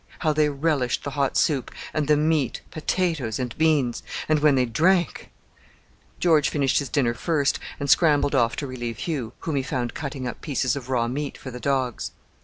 How they relished the hot soup, and the meat, potatoes, and beans! And when they drank ...! George finished his dinner first, and scrambled off to relieve Hugh, whom he found cutting up pieces of raw meat for the dogs.